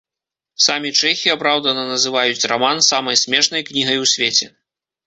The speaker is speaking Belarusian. Самі чэхі апраўдана называюць раман самай смешнай кнігай у свеце.